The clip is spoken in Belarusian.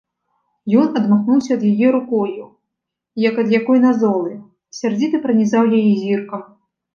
Ён адмахнуўся ад яе рукою, як ад якой назолы, сярдзіта пранізаў яе зіркам.